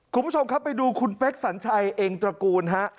คุณผู้ชมครับไปดูคุณเป๊กสัญชัยเองตระกูลฮะ